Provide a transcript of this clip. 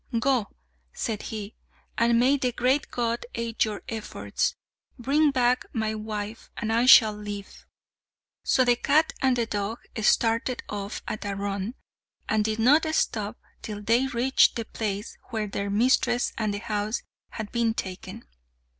"Go," said he, "and may the great God aid your efforts. Bring back my wife, and I shall live." So the cat and dog started off at a run, and did not stop till they reached the place whither their mistress and the house had been taken.